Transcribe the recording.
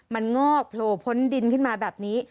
มันงอกโผล่พ้นดินขึ้นมาแบบนี้